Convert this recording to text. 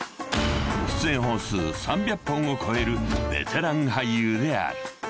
［出演本数３００本を超えるベテラン俳優である］